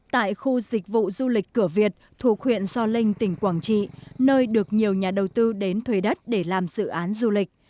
tại khu dịch vụ du lịch cửa việt thuộc huyện do linh tỉnh quảng trị nơi được nhiều nhà đầu tư đến thuê đất để làm dự án du lịch